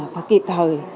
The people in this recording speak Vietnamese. và kịp thời